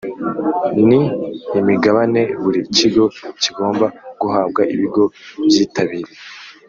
N imigabane buri kigo kigomba guhabwa ibigo byitabiriye